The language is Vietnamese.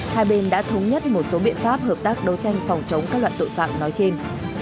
hai bên đã thống nhất một số biện pháp hợp tác đấu tranh phòng chống các loại tội phạm nói trên